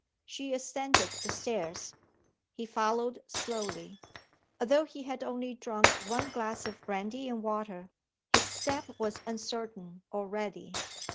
She ascended the stairs. He followed slowly. Although he had only drunk one glass of brandy and water, his step was uncertain already.